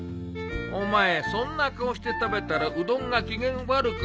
お前そんな顔して食べたらうどんが機嫌悪くするぞ。